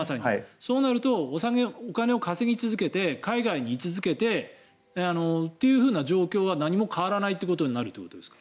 そうなるとお金を稼ぎ続けて海外にい続けてというふうな状況は何も変わらないということになるということですか？